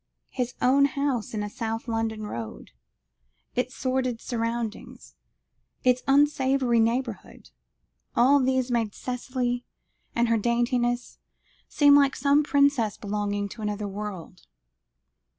His own house in a South London road, its sordid surroundings, its unsavoury neighbourhood, all these made Cicely and her daintiness, seem like some princess belonging to another world.